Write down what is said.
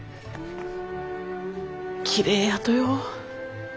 きれいやとよ。